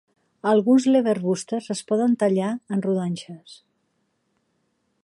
Alguns leberwursts es poden tallar en rodanxes.